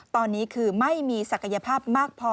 ตอนนี้คือไม่มีศักยภาพมากพอ